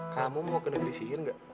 kamu mau ke negeri sihir gak